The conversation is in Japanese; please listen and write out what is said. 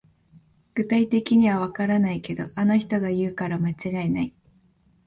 具体的にはわからないけど、あの人が言うから間違いない